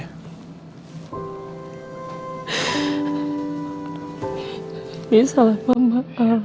ini salah mama